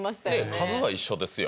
数が一緒ですよ